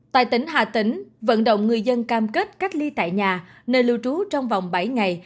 tại tỉnh hà tĩnh vận động người dân cam kết cách ly tại nhà nơi lưu trú trong vòng bảy ngày